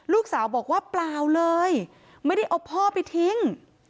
ลูกสาวบอกว่าเปล่าเลยไม่ได้เอาพ่อไปทิ้ง